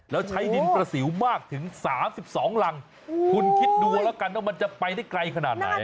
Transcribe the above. แล้วใช้ดินประสิวมากถึง๓๒รังคุณคิดดูเอาแล้วกันว่ามันจะไปได้ไกลขนาดไหน